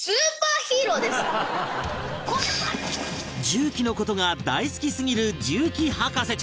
重機の事が大好きすぎる重機博士ちゃん